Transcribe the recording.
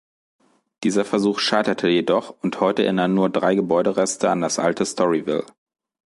Dieser Versuch scheiterte jedoch und heute erinnern nur drei Gebäudereste an das alte "Storyville".